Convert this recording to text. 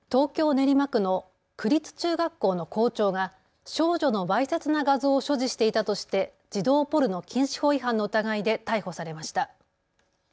練馬区の区立中学校の校長が少女のわいせつな画像を所持していたとして児童ポルノ禁止法違反の疑いで逮捕されました。